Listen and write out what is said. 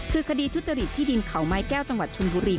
คือคดีทุจริตที่ดินเขาไม้แก้วจังหวัดชนบุรี